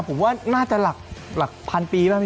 ผมว่าน่าจะหลักพันปีบ้างพี่